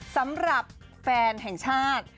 สำหรับแฟนแห่งชาติ